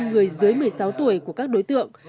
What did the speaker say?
người dưới một mươi sáu tuổi của các đối tượng